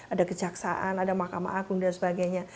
ada kejaksaan ada mahkamah agung dan sebagainya